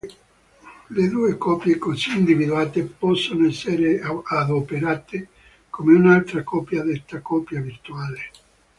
Le due coppie così individuate possono essere adoperate come un'altra coppia detta "coppia virtuale".